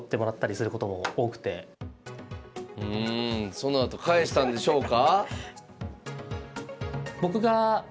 そのあと返したんでしょうか？